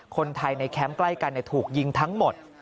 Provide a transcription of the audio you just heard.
คนไทยในแคมป์ใกล้กันถูกยิงทั้งหมด